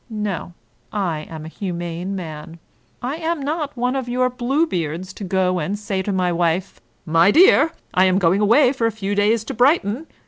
No, I am a humane man. I am not one of your Bluebeards to go and say to my wife, " My dear ! I am going away for a few days to Brighton.